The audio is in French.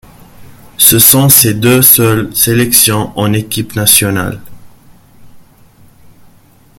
Ce sont ses deux seules sélections en équipe nationale.